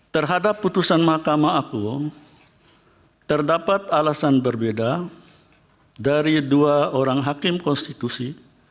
terhadap putusan mahkamah aku terdapat alasan berbeda dari dua orang hakim konstitusi